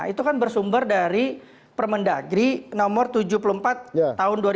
itu kan bersumber dari permendagri nomor tujuh puluh empat tahun dua ribu dua puluh